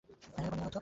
সে ধূমপান ঘৃণা করতো।